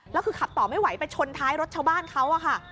แล้วคือขับต่อไม่ไหวไปชนท้ายรถชาวบ้านเขาอะค่ะ